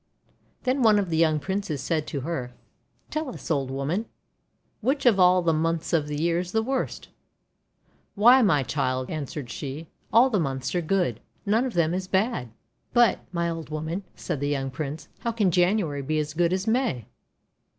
Then one of the young Princes said to her, "Tell us, Old Woman, which of all the Months of the year is the worst." "Why, my child," answered she, "all the Months are good. None of them is bad." THE OLD WOMAN 417 "But, my old Woman," said the young Prince, "how can January be so good as May?'